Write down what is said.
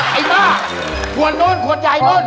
ไอ้บ้าขวดโน้นขวดใหญ่โน้น